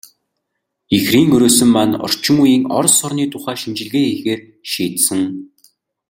Ихрийн өрөөсөн маань орчин үеийн Орос орны тухай шинжилгээ хийхээр шийдсэн.